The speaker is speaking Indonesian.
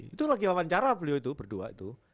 itu lagi wawancara beliau itu berdua tuh